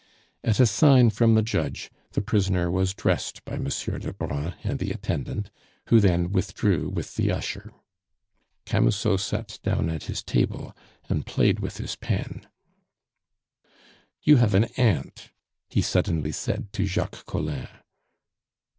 At a sign from the judge the prisoner was dressed by Monsieur Lebrun and the attendant, who then withdrew with the usher. Camusot sat down at his table and played with his pen. "You have an aunt," he suddenly said to Jacques Collin.